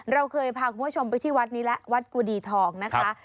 เราเคยพาคุณผู้ชมไปที่วัดกุวดีทองนะคะ